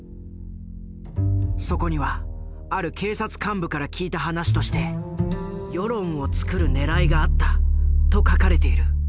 そこにはある警察幹部から聞いた話として「世論をつくるねらいがあった」と書かれている。